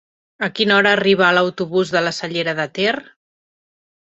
A quina hora arriba l'autobús de la Cellera de Ter?